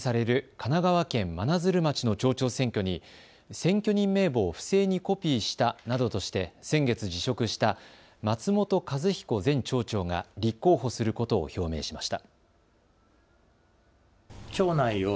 神奈川県真鶴町の町長選挙に選挙人名簿を不正にコピーしたなどとして先月辞職した松本一彦前町長が立候補することを表明しました。